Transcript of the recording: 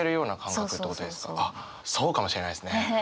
あっそうかもしれないですね。